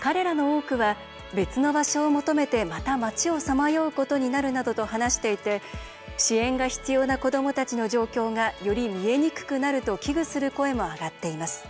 彼らの多くは「別の場所を求めてまた街をさまようことになる」などと話していて支援が必要な子どもたちの状況がより見えにくくなると危惧する声も上がっています。